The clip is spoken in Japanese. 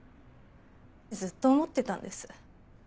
ずっと思ってたんです。